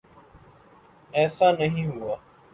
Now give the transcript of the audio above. ایسا نہیں ہوا۔